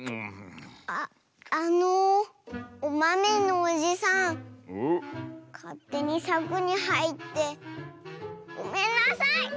あっあのおまめのおじさんかってにさくにはいってごめんなさい！